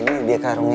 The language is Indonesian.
nah ini dia kak rungi